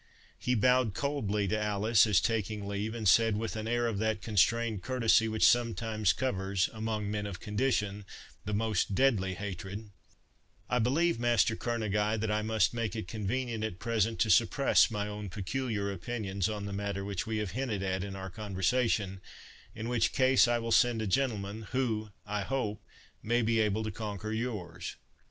He bowed coldly to Alice, as taking leave, and said, with an air of that constrained courtesy which sometimes covers, among men of condition, the most deadly hatred, "I believe, Master Kerneguy, that I must make it convenient at present to suppress my own peculiar opinions on the matter which we have hinted at in our conversation, in which case I will send a gentleman, who, I hope, may be able to conquer yours."